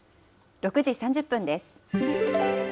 ６時３０分です。